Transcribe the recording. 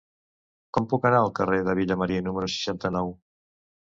Com puc anar al carrer de Vilamarí número seixanta-nou?